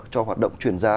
cho hoạt động chuyển giá